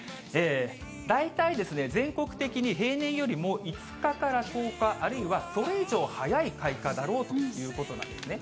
大体ですね、全国的に平年よりも５日から１０日、あるいはそれ以上早い開花だろうということなんですね。